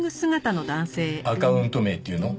アカウント名っていうの？